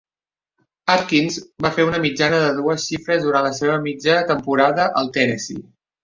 Atkins va fer una mitjana de dues xifres durant la seva mitja temporada al Tennessee.